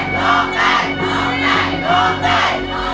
ร้องได้ร้องได้ร้องได้